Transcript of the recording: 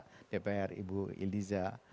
jadi anggota dpr ibu ildiza